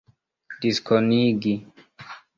diskonigi